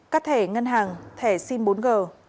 các thẻ ngân hàng thẻ sim bốn g dịch vụ dịch vụ